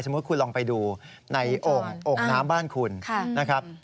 สมมุติคุณลองไปดูในโอ่งน้ำบ้านคุณนะครับ